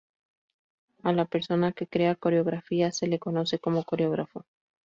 A la persona que crea coreografías se le conoce como coreógrafo.